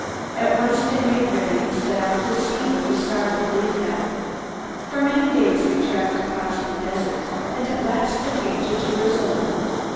At once they made ready and set out to see where the star would lead them. For many days they traveled across the desert, and at last they came to Jerusalem.